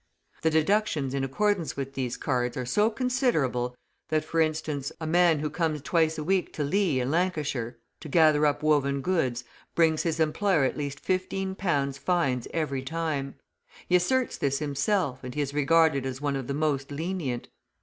The deductions in accordance with these cards are so considerable that, for instance, a man who comes twice a week to Leigh, in Lancashire, to gather up woven goods, brings his employer at least 15 pound fines every time. He asserts this himself, and he is regarded as one of the most lenient.